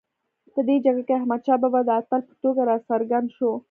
په دې جګړه کې احمدشاه بابا د اتل په توګه راڅرګند شو.